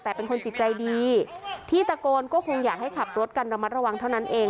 แต่เป็นคนจิตใจดีที่ตะโกนก็คงอยากให้ขับรถกันระมัดระวังเท่านั้นเอง